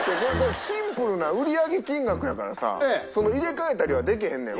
シンプルな売上金額やからさ入れ替えたりはでけへんねん。